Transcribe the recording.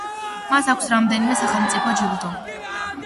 მას აქვს რამდენიმე სახელმწიფო ჯილდო.